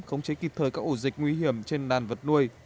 khống chế kịp thời các ổ dịch nguy hiểm trên đàn vật nuôi